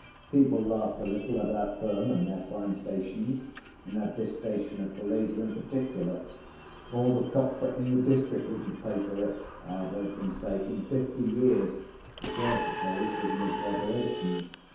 People laughed a little at our firm and their fine stations, and at this station of Falesá in particular; all the copra in the district wouldn't pay for it (I had heard them say) in fifty years, which I supposed was an exaggeration.